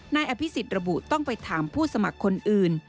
นายอภิษฎระบุต้องไปถามผู้สมัครคนอื่น